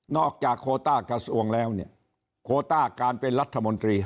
จากโคต้ากระทรวงแล้วเนี่ยโคต้าการเป็นรัฐมนตรี